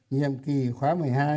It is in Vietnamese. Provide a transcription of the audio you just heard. nhiệm kỳ khóa một mươi hai